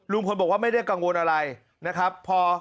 บอกว่าไม่ได้กังวลอะไรนะครับ